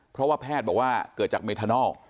เพราะว่าแพทย์บอกว่าเกิดจากเมทานอล